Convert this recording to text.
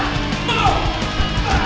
gak ada masalah